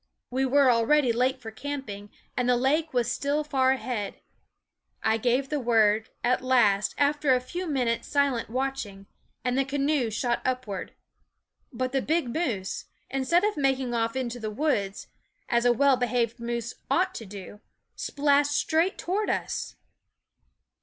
We were already late for camping, and the lake was still far ahead. I gave the word, at last, after a few minutes' silent watch ing, and the canoe shot upward. But the big moose, instead of making off into the woods, as a well behaved moose ought to do, splashed straight toward us.